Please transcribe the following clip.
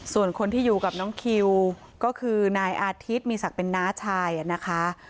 ส่วนคนที่อยู่กับน้องคิวก็คือนายอาทิตย์มีศักดิ์เป็นน้าชายนะคะ